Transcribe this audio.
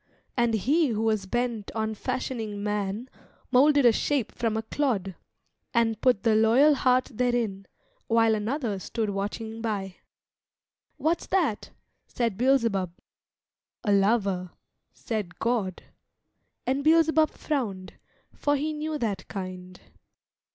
And He who was bent on fashioning man Moulded a shape from a clod, And put the loyal heart therein; While another stood watching by. "What's that?" said Beelzebub. "A lover," said God. And Beelzebub frowned, for he knew that kind.